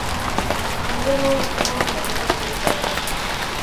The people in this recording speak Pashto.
نجونو مړه نجلۍ پورته کړه.